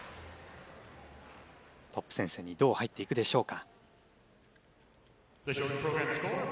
トップ戦線にどう入っていくでしょうか？